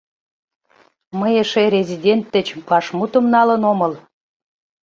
Мый эше резидент деч вашмутым налын омыл.